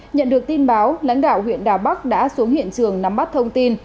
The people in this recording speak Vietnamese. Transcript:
nhận được tin báo lãnh đạo huyện đà bắc đã xuống hiện trường nắm bắt thông tin